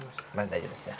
大丈夫ですよ